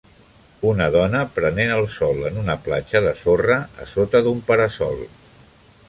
Un dona prenen el sol en una platja de sorra a sota d'un para-sol